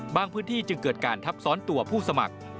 พื้นที่จึงเกิดการทับซ้อนตัวผู้สมัคร